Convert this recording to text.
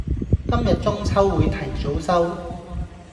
今日中秋會提早收